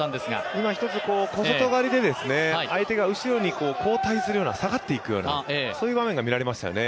いまひとつ小外刈りで相手が後ろに下がっていくような、そういう場面が見られましたよね。